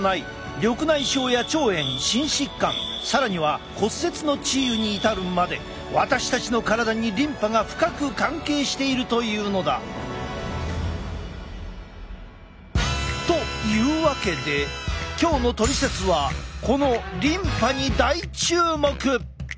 緑内障や腸炎心疾患更には骨折の治癒に至るまで私たちの体にリンパが深く関係しているというのだ！というわけで今日の「トリセツ」はこのリンパに大注目！